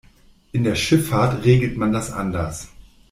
In der Schifffahrt regelt man das anders.